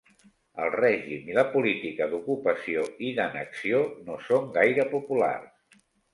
El règim i la política d'ocupació i d'annexió no són gaire populars.